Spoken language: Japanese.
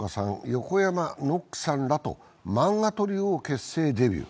横山ノックさんらと漫画トリオを結成、デビュー。